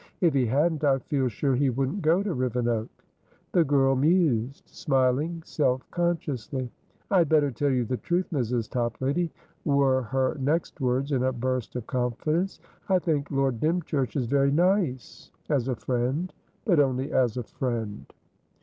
If he hadn't, I feel sure he wouldn't go to Rivenoak." The girl mused, smiling self consciously. "I had better tell you the truth, Mrs. Toplady," were her next words, in a burst of confidence. "I think Lord Dymchurch is very niceas a friend. But only as a friend."